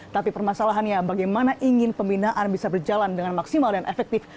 tapi permasalahannya bagaimana ingin pembinaan bisa berjalan dengan maksimal dan efektif